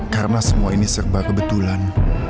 karena semua ini serba kebetulan